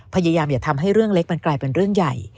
พยายามอย่าทำให้เรื่องเล็กมันกลายเป็นเรื่องใหญ่